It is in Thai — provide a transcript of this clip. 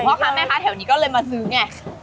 เพราะค่ะแม่ค่ะแถวนี้ก็เลยมาซื้อไง